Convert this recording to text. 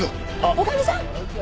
女将さん